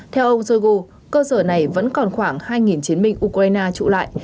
theo ông johgu cơ sở này vẫn còn khoảng hai chiến binh ukraine trụ lại